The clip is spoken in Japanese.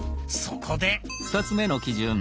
そこで！